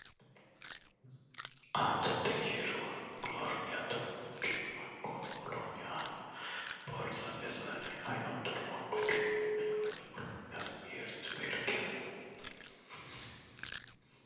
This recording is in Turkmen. Adaty hirurglar ýatyrmak üçin narkoz ulanýan bolsa biz oýandyrmak üçin hakykaty ulanýas diýerdi belkem.